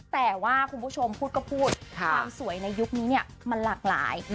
แต่ว่าคุณผู้ชมพูดก็พูดความสวยในยุคนี้เนี่ยมันหลากหลาย